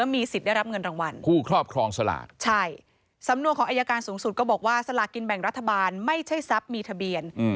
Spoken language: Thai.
ไม่ใช่ว่ารางวัลออกแล้ว